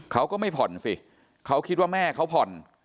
เขาก็ไม่ผ่อนสิเขาคิดว่าแม่เขาผ่อน